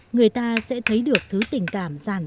người ta sẽ thấy được thứ tình cảm giản dị nhưng đồng hậu